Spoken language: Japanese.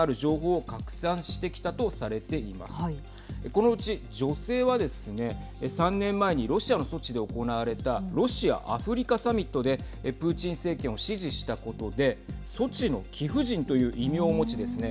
このうち女性はですね３年前にロシアのソチで行われたロシア・アフリカサミットでプーチン政権を支持したことでソチの貴婦人という異名を持ちですね